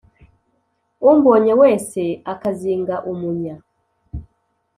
umbonye wese akazinga umunya